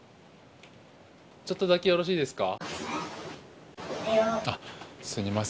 ちょっとだけよろしいですか。